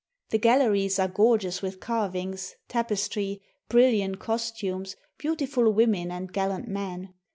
The galleries are gorgeous with carvings, tapestry, brilliant costumes, beautiful women and gallant men.